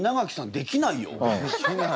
できない。